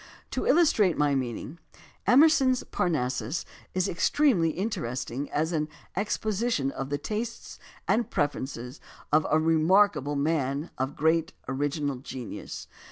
To illus trate my meaning: Emerson's Parnassus is extremely interesting as an exposition of the tastes and prefer ences of a remarkable man of great and original genius.